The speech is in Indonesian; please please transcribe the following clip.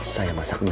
saya masak dulu ya